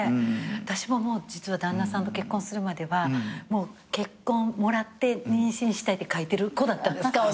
私も実は旦那さんと結婚するまでは結婚もらって妊娠したいってかいてる子だったんです顔に。